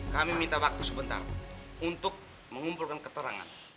kami minta waktu sebentar untuk mengumpulkan keterangan